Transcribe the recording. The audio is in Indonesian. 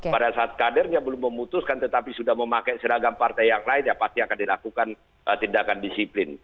pada saat kadernya belum memutuskan tetapi sudah memakai seragam partai yang lain ya pasti akan dilakukan tindakan disiplin